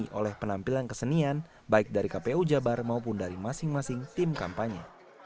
diisi oleh penampilan kesenian baik dari kpu jabar maupun dari masing masing tim kampanye